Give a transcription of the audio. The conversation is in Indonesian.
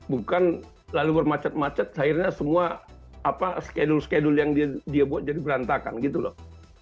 bukan lalu bermacet macet akhirnya semua skedul skedul yang dia buat jadi berantakan gitu loh